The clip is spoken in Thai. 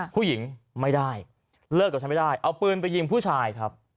ผู้หญิงไม่ได้เลิกกับฉันไม่ได้เอาปืนไปยิงผู้ชายครับ